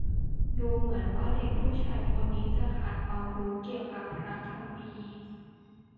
ดูเหมือนว่าเด็กผู้ชายคนนี้จะขาดความรู้เกี่ยวกับพระคัมภีร์